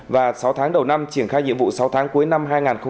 và sáu tháng đầu năm triển khai nhiệm vụ sáu tháng cuối năm hai nghìn hai mươi